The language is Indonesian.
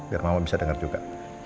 biar mama bisa dengar juga